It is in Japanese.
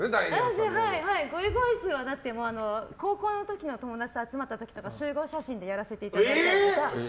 私、ゴイゴイスーはだって高校の時の友達と集まった時に集合写真でやらせていただいたりとか。